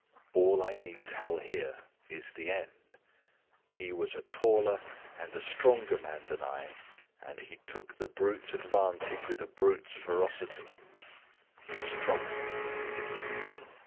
All I need tell here is the end. He was a taller and a stronger man than I, and he took his brute's advantage with a brute's ferocity. He struck me.